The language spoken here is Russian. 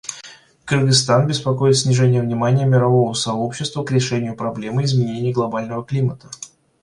Кыргызстан беспокоит снижение внимания мирового сообщества к решению проблемы изменения глобального климата.